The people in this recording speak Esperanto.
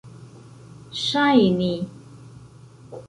ŝajni